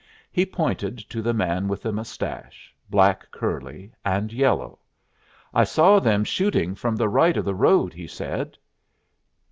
He pointed to the man with the mustache, black curly, and yellow. "I saw them shooting from the right of the road," he said.